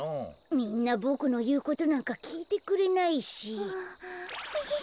みんなボクのいうことなんかきいてくれないし。